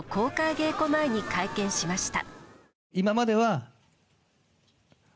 稽古前に会見しました。